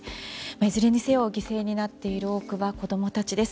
いずれにせよ犠牲になっている多くは子供たちです。